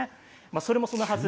それもそのはず